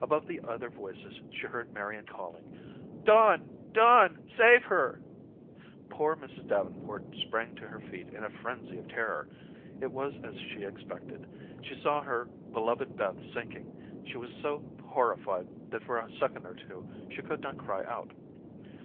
Above the other voices she heard Marian calling: "Don, Don, save her." Poor Mrs. Davenport sprang to her feet in a frenzy of terror. It was as she expected. She saw her beloved Beth sinking. She was so horrified that for a second or two she could not cry out.